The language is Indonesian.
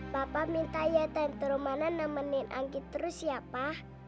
papa minta ya tante rumana nemenin anggi terus ya pa